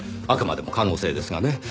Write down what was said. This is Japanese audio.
あくまでも可能性ですがね。